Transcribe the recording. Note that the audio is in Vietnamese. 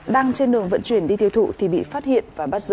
đang trên đường vận chuyển đi tiêu thụ thì bị phát hiện và bắt giữ